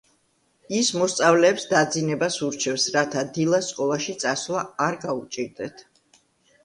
ის მოსწავლეებს დაძინებას ურჩევს, რათა დილას სკოლაში წასვლა არ გაუჭირდეთ.